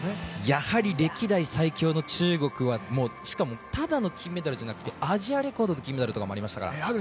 やはり歴代最強の中国はしかもただの金メダルではなくてアジアレコードの金メダルとかもありましたから。